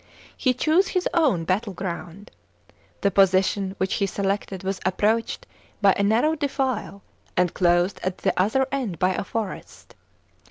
* He chose his own battle ground. The position which he selected was approached by a narrow defile, and closed at the other end by a forest.